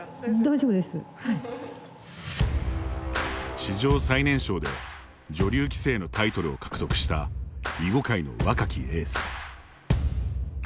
史上最年少で女流棋聖のタイトルを獲得した囲碁界の若きエース。